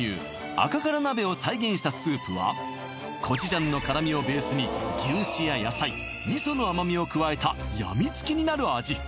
赤から鍋を再現したスープはの辛みをベースに牛脂や野菜味噌の甘みを加えたやみつきになる味